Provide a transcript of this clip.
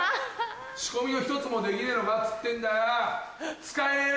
・仕込みのひとつもできねえのかっつってんだよ！使えねえな！